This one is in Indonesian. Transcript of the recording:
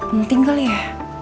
penting kali ya